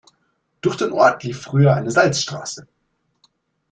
Durch den Ort lief früher eine Salzstraße.